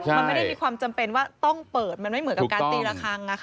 มันไม่ได้มีความจำเป็นว่าต้องเปิดมันไม่เหมือนกับการตีละครั้ง